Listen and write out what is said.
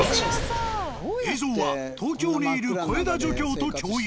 映像は東京にいる小枝助教と共有。